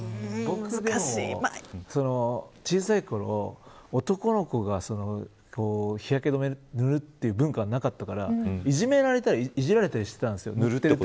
小さいころ男の子が日焼け止めを塗るという文化がなかったからいじめられたりいじられたりしていたんです。